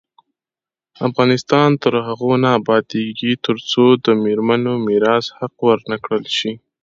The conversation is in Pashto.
افغانستان تر هغو نه ابادیږي، ترڅو د میرمنو میراث حق ورکړل نشي.